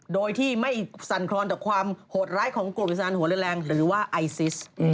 โดยที่ไม่สั่นครอนต่อความโหดร้ายของกลุ่มวิสานหัวเรือแรงหรือว่าไอซิส